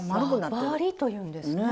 輪針というんですね。